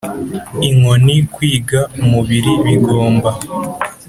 inkoni, kwiga, umubiri, bigomba